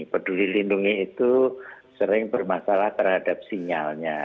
peduli lindungi itu sering bermasalah terhadap sinyalnya